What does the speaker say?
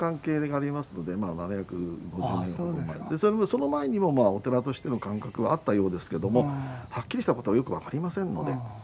その前にもまあお寺としての感覚はあったようですけどもはっきりしたことはよく分かりませんので。